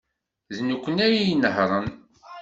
D nekkni ay inehhṛen.